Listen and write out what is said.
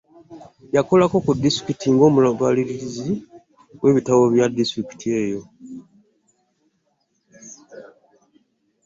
Yakolako ku disitulikiti ng'omubalirizi w'ebitabo bya disitulikiti eyo